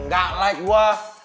nggak like gue